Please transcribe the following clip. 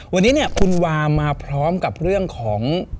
วันนี้เนี่ยคุณวามาพร้อมกับเรื่องของ